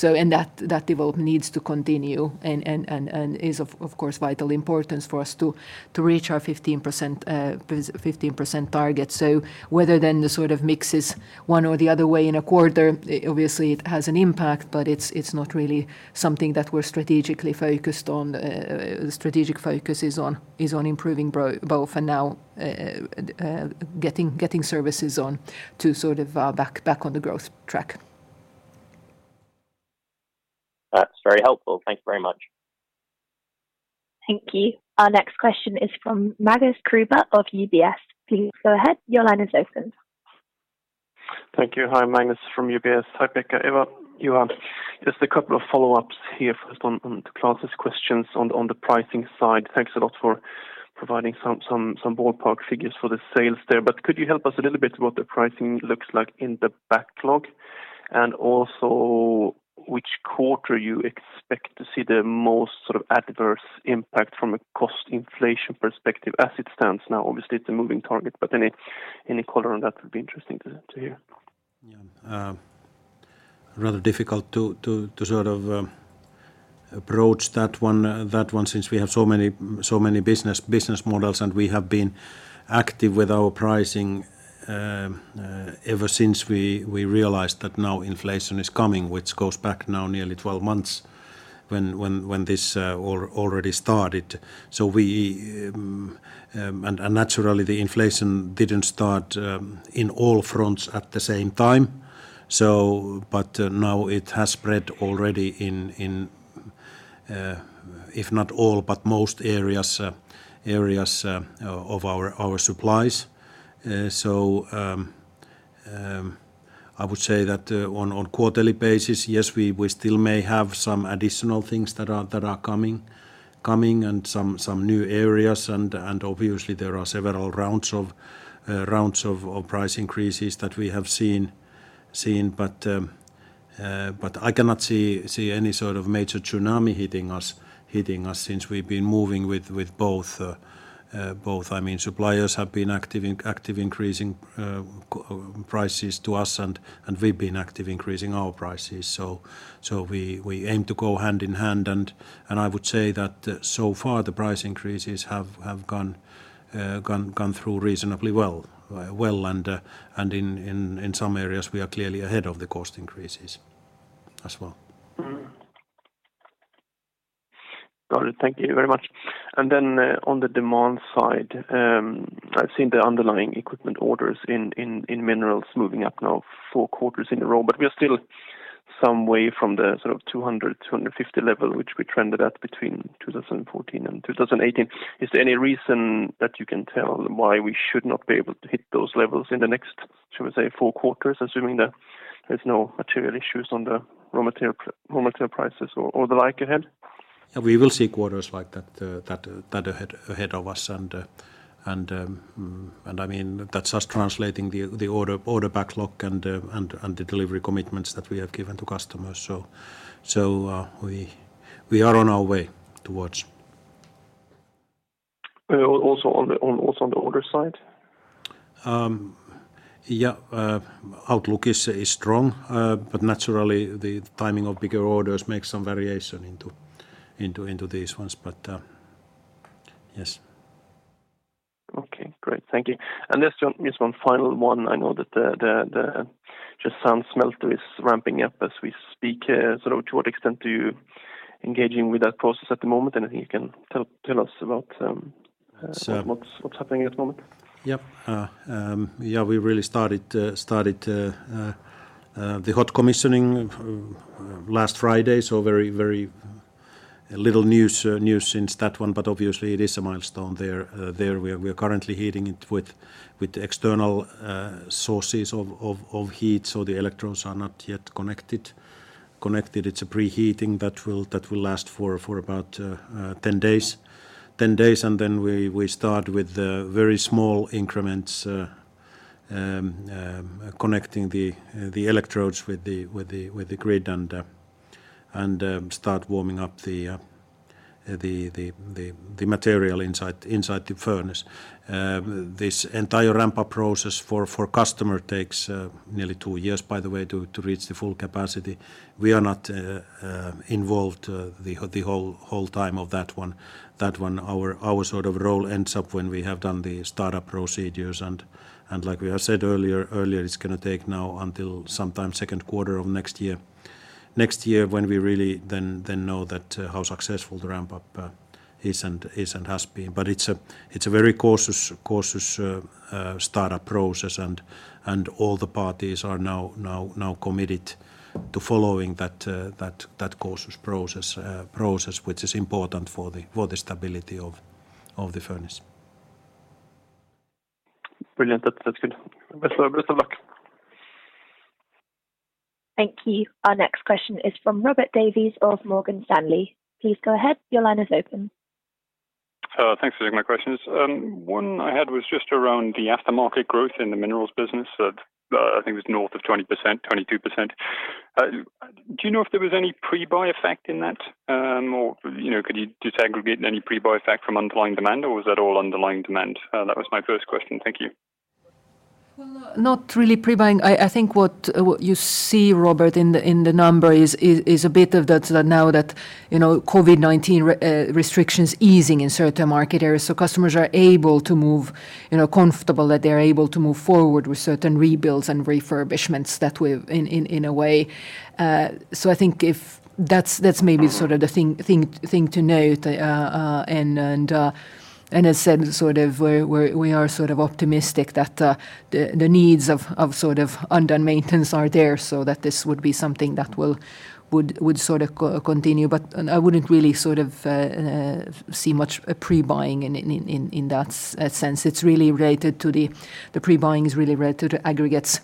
That development needs to continue and is of course vital importance for us to reach our 15% target. Whether then the sort of mix is one or the other way in a quarter, obviously it has an impact, but it's not really something that we're strategically focused on. The strategic focus is on improving both and now getting services on to sort of back on the growth track. That's very helpful. Thank you very much. Thank you. Our next question is from Magnus Kruber of UBS. Please go ahead. Your line is open. Thank you. Hi, Magnus from UBS. Hi, Pekka, Eeva, Juha. Just a couple of follow-ups here. First on to Klas' questions on the pricing side. Thanks a lot for providing some ballpark figures for the sales there. Could you help us a little bit what the pricing looks like in the backlog? And also which quarter you expect to see the most sort of adverse impact from a cost inflation perspective as it stands now? Obviously, it's a moving target, but any color on that would be interesting to hear. Yeah. Rather difficult to sort of approach that one since we have so many business models and we have been active with our pricing ever since we realized that now inflation is coming, which goes back now nearly 12 months when this already started. We and naturally the inflation didn't start in all fronts at the same time. But now it has spread already in, if not all, but most areas of our supplies. I would say that on quarterly basis, yes, we still may have some additional things that are coming and some new areas and obviously there are several rounds of price increases that we have seen. I cannot see any sort of major tsunami hitting us since we've been moving with both, I mean, suppliers have been active increasing prices to us and we've been active increasing our prices. We aim to go hand in hand. I would say that so far the price increases have gone through reasonably well and in some areas we are clearly ahead of the cost increases as well. Got it. Thank you very much. On the demand side, I've seen the underlying equipment orders in minerals moving up now four quarters in a row. We are still some way from the sort of 200-250 level, which we trended at between 2014 and 2018. Is there any reason that you can tell why we should not be able to hit those levels in the next, shall we say, four quarters, assuming that there's no material issues on the raw material prices or the like ahead? Yeah, we will see quarters like that ahead of us. I mean, that's just translating the order backlog and the delivery commitments that we have given to customers. We are on our way towards. Also on the order side? Yeah. Outlook is strong. Naturally, the timing of bigger orders makes some variation into these ones. Yes. Okay, great. Thank you. Just one final one. I know that the Josemaría smelter is ramping up as we speak. Sort of to what extent are you engaging with that process at the moment? Anything you can tell us about? Uh, so- What's happening at the moment? Yep, we really started the hot commissioning last Friday. Very, very little news since that one, but obviously it is a milestone there. We are currently heating it with external sources of heat. The electrodes are not yet connected. It's a preheating that will last for about 10 days. We start with the very small increments connecting the electrodes with the grid and start warming up the material inside the furnace. This entire ramp-up process for customer takes nearly two years, by the way, to reach the full capacity. We are not involved the whole time of that one. Our sort of role ends up when we have done the startup procedures and like we have said earlier, it's gonna take now until sometime second quarter of next year when we really then know that how successful the ramp-up is and has been. But it's a very cautious startup process. All the parties are now committed to following that cautious process, which is important for the stability of the furnace. Brilliant. That's good. Best of luck. Thank you. Our next question is from Robert Davies of Morgan Stanley. Please go ahead. Your line is open. Thanks for taking my questions. One I had was just around the aftermarket growth in the minerals business that I think was north of 20%, 22%. Do you know if there was any pre-buy effect in that? Or, you know, could you disaggregate any pre-buy effect from underlying demand, or was that all underlying demand? That was my first question. Thank you. Well, not really pre-buying. I think what you see, Robert, in the number is a bit of that now that, you know, COVID-19 restrictions easing in certain market areas. Customers are able to move, you know, comfortable that they're able to move forward with certain rebuilds and refurbishments that we've in a way. I think if that's maybe sort of the thing to note, and as said, sort of we are sort of optimistic that the needs of sort of undone maintenance are there so that this would be something that would sort of continue. I wouldn't really sort of see much pre-buying in that sense. It's really related to the pre-buying is really related to aggregates,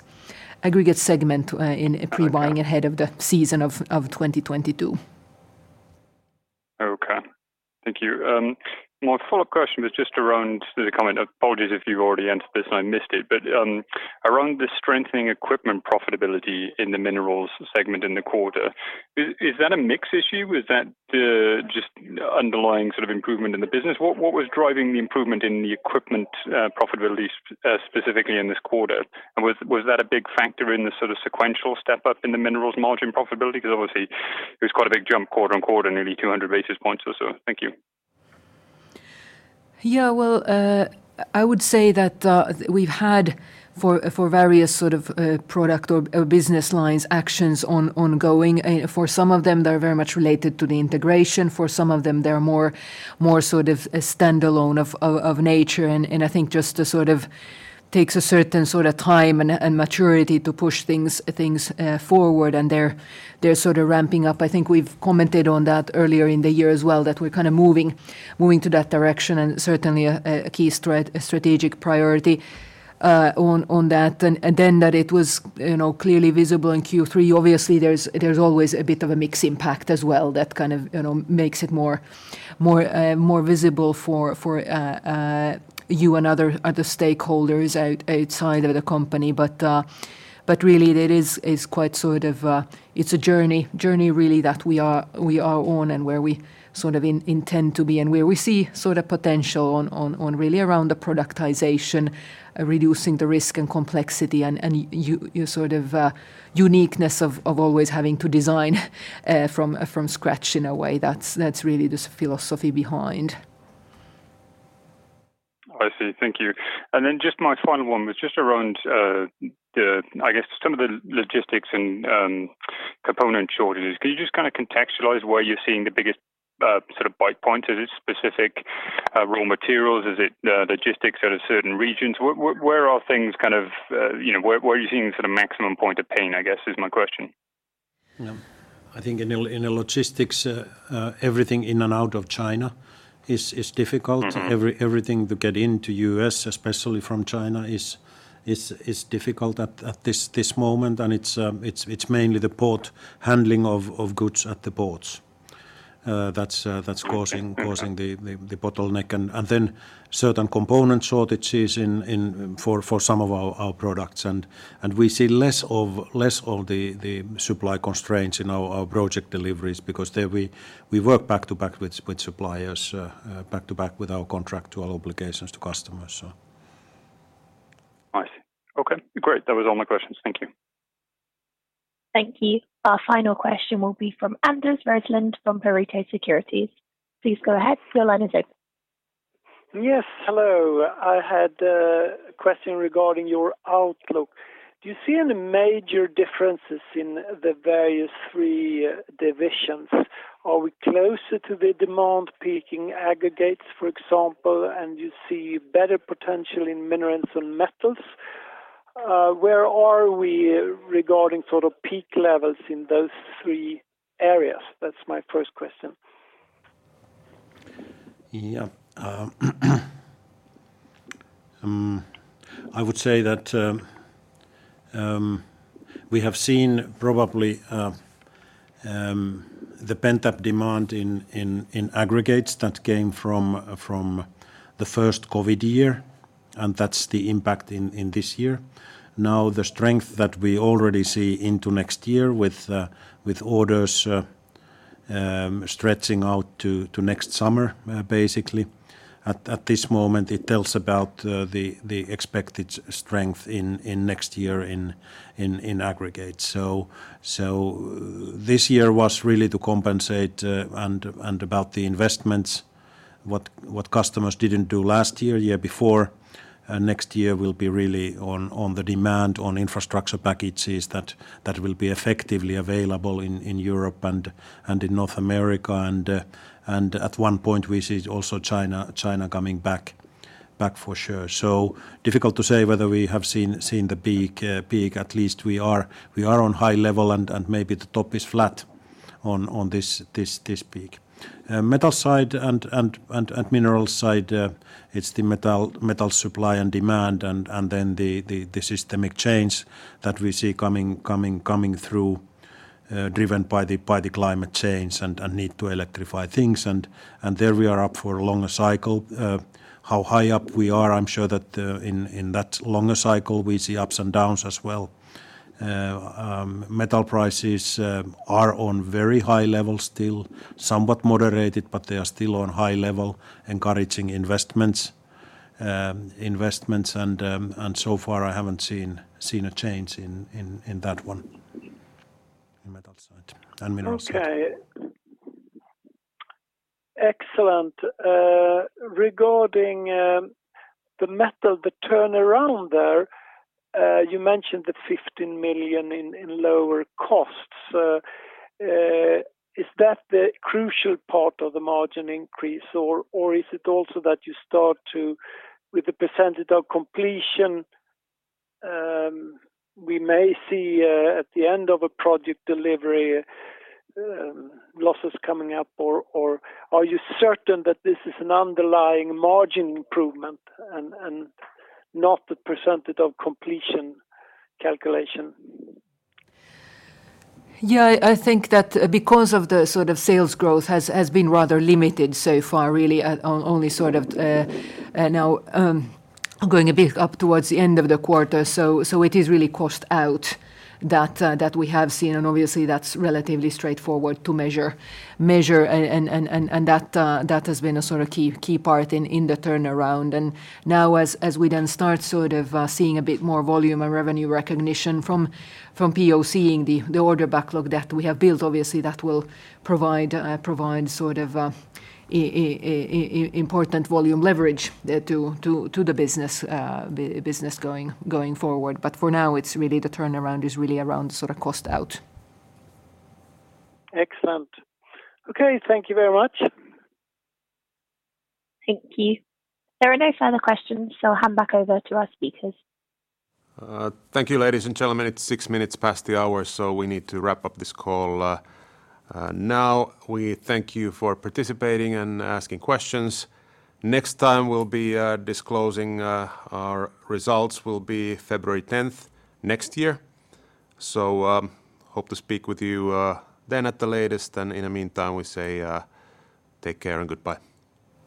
aggregate segment, in pre-buying ahead of the season of 2022. Okay. Thank you. My follow-up question was just around the comment. Apologies if you've already answered this and I missed it. Around the strengthening equipment profitability in the minerals segment in the quarter, is that a mix issue? Is that just the underlying sort of improvement in the business? What was driving the improvement in the equipment profitability specifically in this quarter? And was that a big factor in the sort of sequential step up in the minerals margin profitability? Because obviously it was quite a big jump quarter-on-quarter, nearly 200 basis points or so. Thank you. Yeah. Well, I would say that we've had for various sort of product or business lines actions ongoing. For some of them, they're very much related to the integration. For some of them, they're more sort of a standalone of nature. I think just to sort of takes a certain sort of time and maturity to push things forward, and they're sort of ramping up. I think we've commented on that earlier in the year as well, that we're kind of moving to that direction and certainly a key strategic priority on that. Then that it was, you know, clearly visible in Q3. Obviously, there's always a bit of a mix impact as well that kind of, you know, makes it more visible for you and other stakeholders outside of the company. Really that is quite sort of, it's a journey really that we are on and where we sort of intend to be and where we see sort of potential on really around the productization, reducing the risk and complexity and you sort of uniqueness of always having to design from scratch in a way. That's really the philosophy behind. I see. Thank you. Just my final one was just around the I guess some of the logistics and component shortages. Could you just kind of contextualize where you're seeing the biggest, sort of bite point? Is it specific raw materials? Is it logistics out of certain regions? Where are things kind of, you know, where are you seeing the sort of maximum point of pain, I guess, is my question? Yeah. I think in the logistics, everything in and out of China is difficult. Mm-hmm. Everything to get into U.S., especially from China is difficult at this moment. It's mainly the port handling of goods at the ports that's causing- Okay. causing the bottleneck and then certain component shortages in for some of our products. We see less of the supply constraints in our project deliveries because there we work back to back with suppliers back to back with our contractual obligations to customers, so. I see. Okay, great. That was all my questions. Thank you. Thank you. Our final question will be from Anders Roslund from Pareto Securities. Please go ahead. Your line is open. Yes. Hello. I had a question regarding your outlook. Do you see any major differences in the various three divisions? Are we closer to the demand peaking aggregates, for example, and you see better potential in minerals and metals? Where are we regarding sort of peak levels in those three areas? That's my first question. Yeah, I would say that we have seen probably the pent-up demand in aggregates that came from the first COVID year, and that's the impact in this year. Now, the strength that we already see into next year with orders stretching out to next summer, basically. At this moment it tells about the expected strength in next year in aggregate. This year was really to compensate and about the investments what customers didn't do last year before. Next year will be really on the demand on infrastructure packages that will be effectively available in Europe and in North America. At one point we see also China coming back for sure. Difficult to say whether we have seen the peak. At least we are on high level and maybe the top is flat on this peak. Metal side and mineral side, it's the metal supply and demand and then the systemic change that we see coming through, driven by the climate change and need to electrify things. There we are up for a longer cycle. How high up we are, I'm sure that in that longer cycle we see ups and downs as well. Metal prices are on very high level still. Somewhat moderated, but they are still on high level encouraging investments and so far I haven't seen a change in that one, in metal side and mineral side. Okay. Excellent. Regarding the metals turnaround there, you mentioned the 15 million in lower costs. Is that the crucial part of the margin increase or is it also with the percentage of completion, we may see at the end of a project delivery, losses coming up or are you certain that this is an underlying margin improvement and not the percentage of completion calculation? I think that because of the sort of sales growth has been rather limited so far really, only sort of now going a bit up towards the end of the quarter. It is really cost out that we have seen and obviously that's relatively straightforward to measure and that has been a sort of key part in the turnaround. Now as we then start sort of seeing a bit more volume and revenue recognition from POC the order backlog that we have built, obviously that will provide sort of important volume leverage to the business going forward. For now, it's really the turnaround is really around sort of cost out. Excellent. Okay. Thank you very much. Thank you. There are no further questions, so I'll hand back over to our speakers. Thank you ladies and gentlemen. It's six minutes past the hour, so we need to wrap up this call now. We thank you for participating and asking questions. Next time we'll be disclosing our results will be February 10th next year. Hope to speak with you then at the latest. In the meantime we say take care and goodbye.